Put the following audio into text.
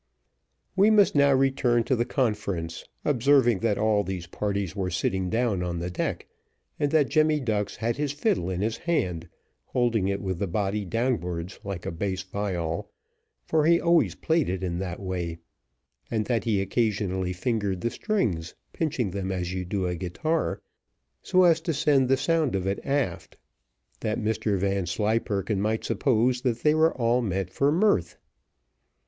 We must now return to the conference, observing, that all these parties were sitting down on the deck, and that Jemmy Ducks had his fiddle in his hand, holding it with the body downwards like a bass viol, for he always played it in that way, and that he occasionally fingered the strings, pinching them as you do a guitar, so as to send the sound of it aft, that Mr Vanslyperken might suppose that they were all met for mirth.